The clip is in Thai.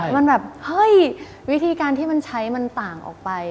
มันแบบเฮ้ยวิธีการที่มันใช้มันต่างออกไป